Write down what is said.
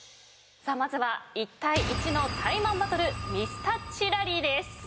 まずは１対１のタイマンバトルミスタッチラリーです。